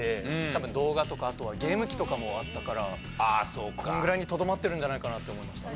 多分動画とかあとはゲーム機とかもあったからこのぐらいにとどまってるんじゃないかなって思いました。